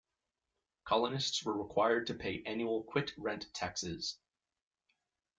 Colonists were required to pay annual quit-rent taxes.